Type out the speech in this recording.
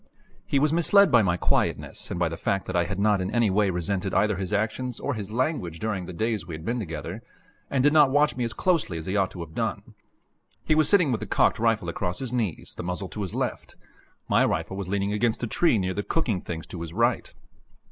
He was misled by my quietness and by the fact that I had not in any way resented either his actions or his language during the days we had been together, and did not watch me as closely as he ought to have done. He was sitting with the cocked rifle across his knees, the muzzle to the left. My rifle was leaning against a tree near the cooking things to his right.